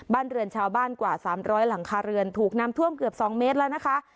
บ้านเรือนชาวบ้านกว่า๓๐๐หลังคาเรือนถูกน้ำท่วมเกือบ๒เมตรแล้วนะคะ